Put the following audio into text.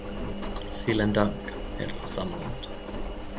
Vielen Dank, Herr Samland.